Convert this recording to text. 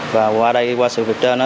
và qua đây qua sự việc trên